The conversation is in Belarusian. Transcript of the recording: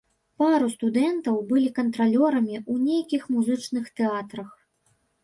Пару студэнтаў былі кантралёрамі ў нейкіх музычных тэатрах.